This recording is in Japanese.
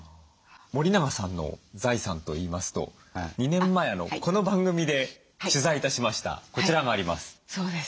森永さんの財産といいますと２年前この番組で取材致しましたこちらがあります。